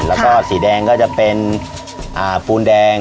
แล้วก็สีแดงก็จะเป็นปูนแดง